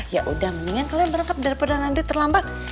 ya udah mendingan kalian berangkat daripada nanti terlambat